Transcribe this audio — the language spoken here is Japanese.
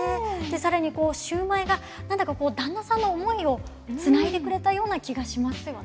更にこうシューマイが何だかこう旦那さんの思いをつないでくれたような気がしますよね。